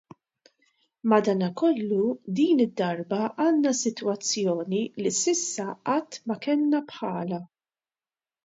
Madanakollu din id-darba għandna sitwazzjoni li s'issa qatt ma kellna bħalha.